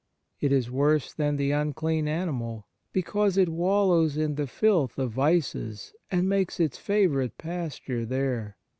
It is worse than the unclean animal, because it wallows in the filth of vices and makes its favourite pasture there.